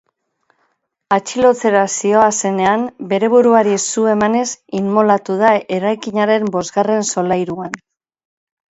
Atxilotzera zihoazenean, bere buruari su emanez immolatu da, eraikinaren bosgarren solairuan.